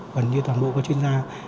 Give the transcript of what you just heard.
gần như toàn bộ các chuyên gia